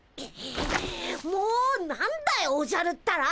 もう何だよおじゃるったら！